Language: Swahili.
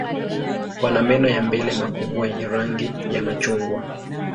Wana meno ya mbele makubwa yenye rangi ya machungwa.